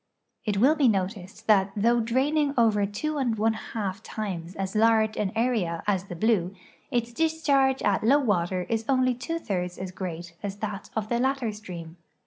It will be noticed that though draining over two and one half times as large an area as the Blue, its discharge at low water is only two thirds as great as that of the latter stream.